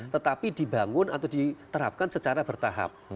tetapi dibangun atau diterapkan secara bertahap